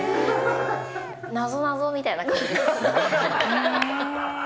なぞなぞみたいな感じ。